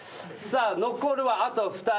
残るはあと２人。